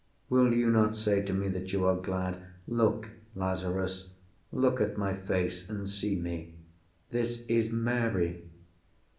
Will you not say To me that you are glad? Look, Lazarus! Look at my face, and see me. This is Mary."